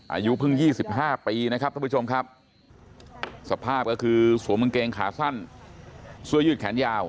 อายุเพิ่ง๒๕ปีนะครับท่านผู้ชมครับสภาพก็คือสวมกางเกงขาสั้นเสื้อยืดแขนยาว